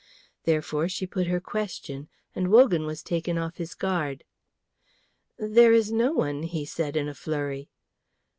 Therefore she put her question, and Wogan was taken off his guard. "There is no one," he said in a flurry.